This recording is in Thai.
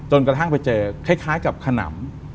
กระทั่งไปเจอคล้ายกับขนำ